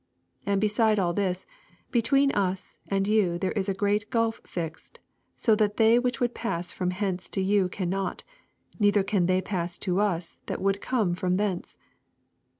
26 And beside all this, between us and you there is a great gulf fixed : so that they which would pass from hence to you cannot ; neither can they pass to us, that would come from thence.